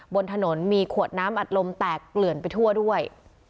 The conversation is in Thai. บนถนนมีขวดน้ำอัดลมแตกเกลื่อนไปทั่วด้วย